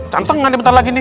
cantong kan ya bentar lagi nih